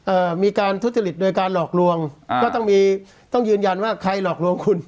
เอ่อมีการทุจริตโดยการหลอกลวงอ่าก็ต้องมีต้องยืนยันว่าใครหลอกลวงคุณ